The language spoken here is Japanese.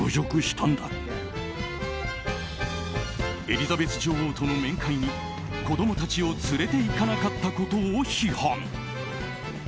エリザベス女王との面会に子供たちを連れていかなかったことを批判。